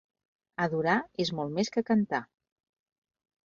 Adorar és molt més que cantar.